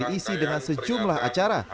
diri isi dengan sejumlah acara